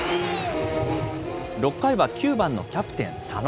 ６回は９番のキャプテン、佐野。